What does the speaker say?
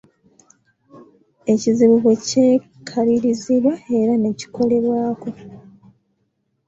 Ekizibu bwe kyekalirizibwa era ne kikolebwako.